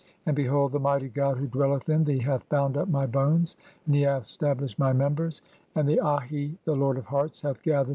And "behold, the Mighty god who dwelleth in thee hath bound up "my bones, and he hath stablished my members ; (4) and the u Ahi, the lord of hearts, hath gathered